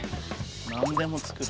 何でも作る。